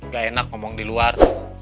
gak enak ngomong di luar